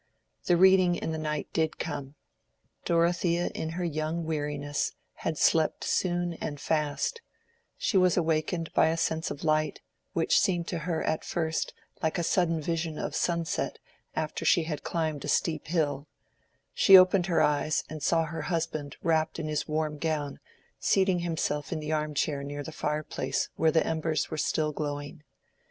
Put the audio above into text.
The reading in the night did come. Dorothea in her young weariness had slept soon and fast: she was awakened by a sense of light, which seemed to her at first like a sudden vision of sunset after she had climbed a steep hill: she opened her eyes and saw her husband wrapped in his warm gown seating himself in the arm chair near the fire place where the embers were still glowing.